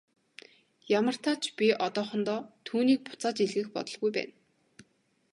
Ямартаа ч би одоохондоо түүнийг буцааж илгээх бодолгүй байна.